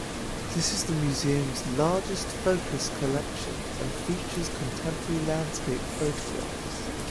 This is the museum's largest focus collection and features contemporary landscape photographs.